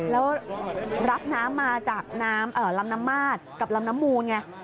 แล้วรับน้ำมาจากน้ำลำน้ำมาดกับลำน้ำมูลไง